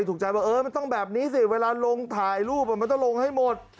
ถูกใจว่าเออมันต้องแบบนี้สิเวลาลงถ่ายรูปมันต้องลงให้หมด